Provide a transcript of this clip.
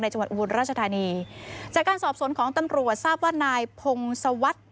จังหวัดอุบลราชธานีจากการสอบสวนของตำรวจทราบว่านายพงศวรรษ